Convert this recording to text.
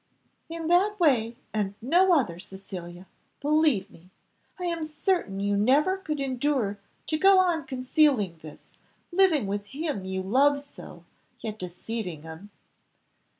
"In that way and no other, Cecilia, believe me. I am certain you never could endure to go on concealing this, living with him you love so, yet deceiving him."